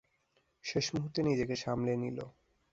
শেষ মুহুর্তে নিজেকে সামলে নিল।